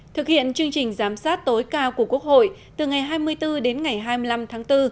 thực hiện chương trình giám sát tối cao của quốc hội từ ngày hai mươi bốn đến ngày hai mươi năm tháng bốn